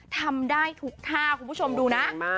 ทำได้ทุกท่าคุณผู้ชมดูนะ